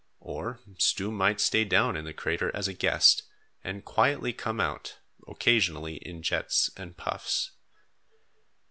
Or, Stoom might stay down in the crater as a guest, and quietly come out, occasionally, in jets and puffs.